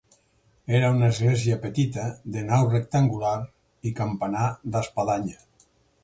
Era una església petita, de nau rectangular i campanar d'espadanya.